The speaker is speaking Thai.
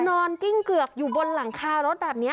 กิ้งเกือกอยู่บนหลังคารถแบบนี้